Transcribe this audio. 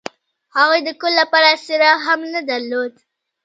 هغوی د کور لپاره څراغ هم نه درلود